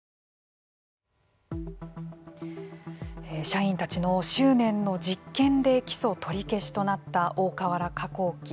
社員たちの執念の実験で起訴取り消しとなった大川原化工機。